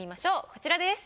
こちらです。